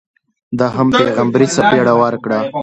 ده هم پیغمبري څپېړه ورکړه.